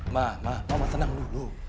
ma ma mama tenang dulu